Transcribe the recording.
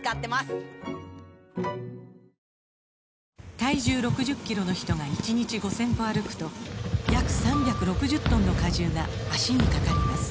体重６０キロの人が１日５０００歩歩くと約３６０トンの荷重が脚にかかります